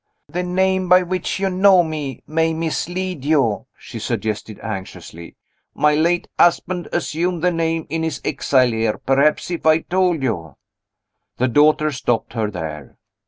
"The name by which you know me may mislead you," she suggested anxiously. "My late husband assumed the name in his exile here. Perhaps, if I told you " The daughter stopped her there.